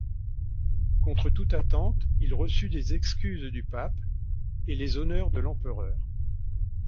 Contre toute attente, il reçut des excuses du pape, et les honneurs de l'empereur.